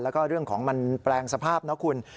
แล้วก็เรื่องของมันแปลงสภาพนะคุณ